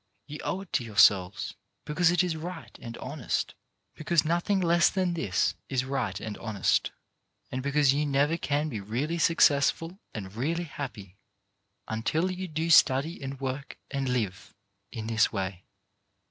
You owe it to yourselves because it is right and honest, because nothing less than this is right and honest, and because you never can be really suc cessful and really happy until you do study and work and live in this way.